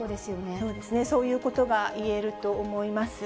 そうですね、そういうことがいえると思います。